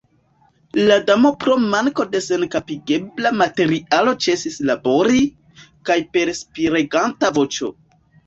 La Damo pro manko da senkapigebla materialo ĉesis labori, kaj per spireganta voĉo